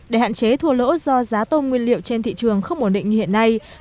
để hạn chế thua lỗ do giá tôm nguyên liệu trên thị trường không ổn định như hiện nay